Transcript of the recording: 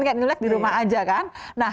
kayak imlek di rumah aja kan